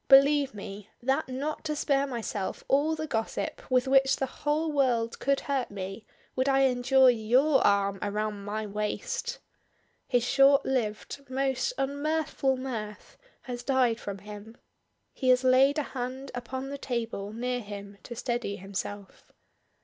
Believe me, that not to spare myself all the gossip with which the whole world could hurt me would I endure your arm around my waist!" His short lived, most unmirthful mirth has died from him, he has laid a hand upon the table near him to steady himself.